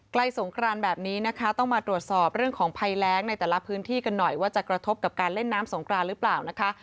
สงครานแบบนี้นะคะต้องมาตรวจสอบเรื่องของภัยแรงในแต่ละพื้นที่กันหน่อยว่าจะกระทบกับการเล่นน้ำสงครานหรือเปล่านะคะ